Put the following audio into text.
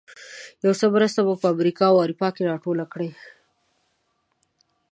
یو څه مرسته مو په امریکا او اروپا کې راټوله کړې.